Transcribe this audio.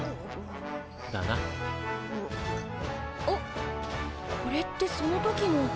あっこれってその時の。